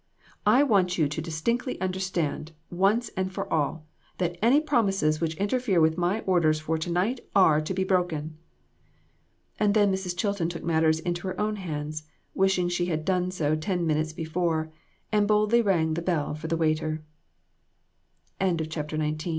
I want you to distinctly under stand, once for all, that any promises which inter fere with my orders for to night are to be broken." And then Mrs. Chilton took matters into her own hands, wishing she had done so ten minutes before, and boldly rang the bell for the waiter. AN EVENTFUL AFTERNOON. CHAPTER XX. BY MRS. C.